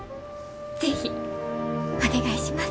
是非お願いします！